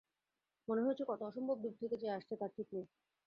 মনে হয়েছে, কত অসম্ভব দূর থেকে যে আসছ তার ঠিক নেই।